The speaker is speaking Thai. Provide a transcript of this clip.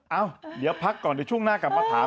เอ้าเดี๋ยวพักก่อนเดี๋ยวช่วงหน้ากลับมาถาม